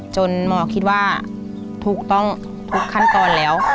จนหมอคิดว่าคุณต้องขึ้นขั้นตอนแล้ว